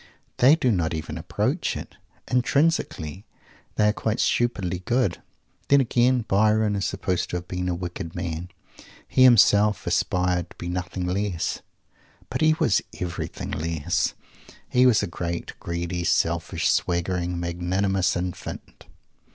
They do not even approach it. Intrinsically they are quite stupidly "good." Then, again, Byron is supposed to have been a wicked man. He himself aspired to be nothing less. But he was everything less. He was a great, greedy, selfish, swaggering, magnanimous infant!